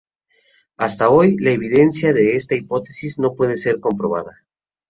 Hasta hoy, la evidencia de esta hipótesis no puede ser comprobada.